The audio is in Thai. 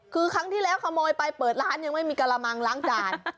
คือครั้งที่แล้วขโมยไปเปิดร้านยังไม่มีกระมังล้างจาน